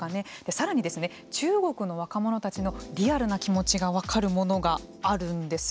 さらに中国の若者たちのリアルな気持ちが分かるものがあるんです。